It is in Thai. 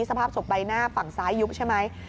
สภาพศพใบหน้าฝั่งซ้ายยุบใช่ไหม